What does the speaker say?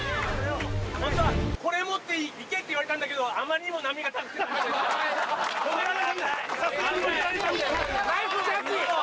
ホントはこれ持っていけって言われたんだけどあまりにもさすがにナイスジャッジ